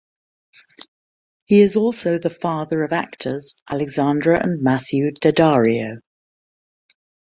He is also the father of actors Alexandra and Matthew Daddario.